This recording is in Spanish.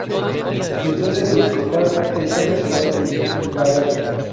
Su sede episcopal está en la ciudad de Gaeta.